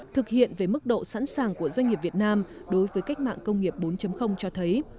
thực hiện về mức độ sẵn sàng của doanh nghiệp việt nam đối với cách mạng công nghiệp bốn cho thấy